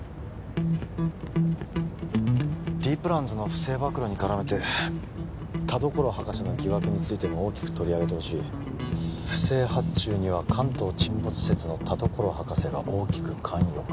Ｄプランズの不正暴露に絡めて田所博士の疑惑についても大きく取り上げてほしい「不正発注には関東沈没説の田所博士が大きく関与か？」